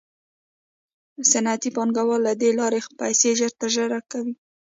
صنعتي پانګوال له دې لارې پیسې ژر ترلاسه کوي